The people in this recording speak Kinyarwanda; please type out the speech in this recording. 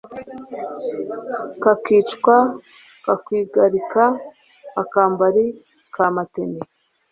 kakwica kakwigarika akambari ka matene